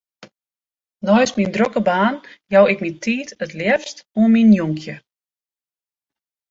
Neist myn drokke baan jou ik myn tiid it leafst oan myn jonkje.